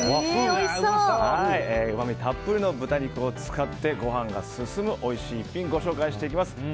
うまみたっぷりの豚肉を使ってご飯が進むおいしい一品ご紹介していきます。